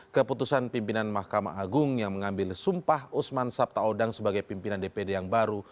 keputusan pimpinan mahkamah agung yang mengambil sumpah usman sabtaodang sebagai pimpinan dpd yang baru